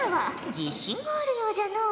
自信があるようじゃのう。